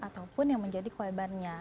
ataupun yang menjadi korbannya